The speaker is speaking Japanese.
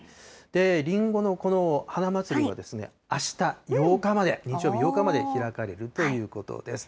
りんごのこの花まつりは、あした８日まで、日曜日、８日まで開かれるということです。